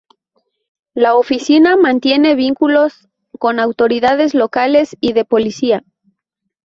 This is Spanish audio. La Oficina mantiene vínculos con autoridades locales y de policía.